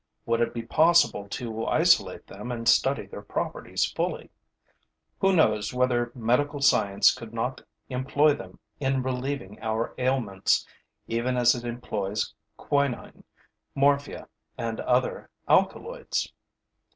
Would it be possible to isolate them and study their properties fully? Who knows whether medical science could not employ them in relieving our ailments, even as it employs quinine, morphia and other alkaloids?